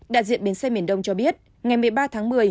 đại diện bến xe miền đông cho biết ngày một mươi ba tháng một mươi